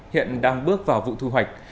hiện đang bước vào vụ thu hoạch